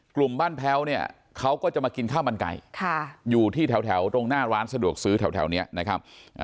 กลุ่มบ้านแพ้วเนี่ยเขาก็จะมากินข้าวมันไก่อยู่ที่แถวตรงหน้าร้านสะดวกซื้อแถวนี้นะครับ